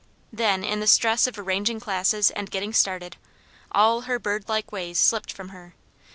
Then in the stress of arranging classes and getting started, all her birdlike ways slipped from her.